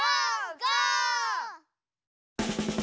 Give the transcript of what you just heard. ゴー！